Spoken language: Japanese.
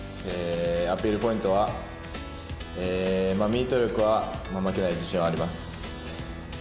アピールポイントはミート力は負けない自信はあります。